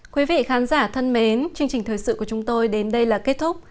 quý vị khán giả thân mến chương trình thời sự của chúng tôi đến đây là kết thúc